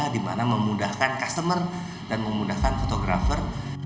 dimana memudahkan customer dan memudahkan fotografer